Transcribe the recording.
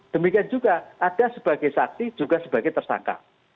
demikian juga ada sebagai saksi juga sebagai tersangka